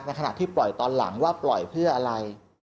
ขณะที่ปล่อยตอนหลังว่าปล่อยเพื่ออะไร